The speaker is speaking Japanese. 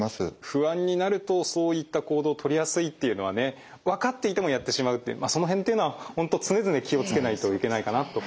不安になるとそういった行動をとりやすいっていうのはね分かっていてもやってしまうっていうその辺っていうのは本当常々気を付けないといけないかなと思いますね。